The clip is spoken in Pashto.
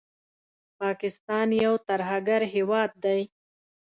پاکستان یو ترهګر هیواد دي